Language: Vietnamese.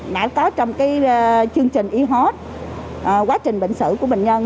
đã có trong chương trình e host quá trình bệnh sử của bệnh nhân